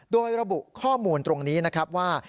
โดยระบุข้อมูลตรงนี้นะครับว่า